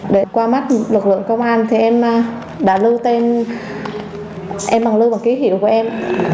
để qua mắt lực lượng công an thì em đã lưu tên xem bằng lưu và ký hiệu của em